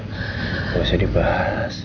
gak usah dibahas